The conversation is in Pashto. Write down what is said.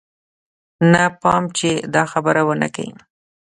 نه پام چې دا خبره ونه کې.